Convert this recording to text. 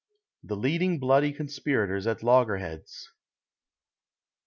THE LEADING BLOODY CONSPIRATORS AT LOGGER HEADS.